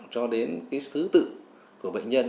cho đến sứ tự của bệnh nhân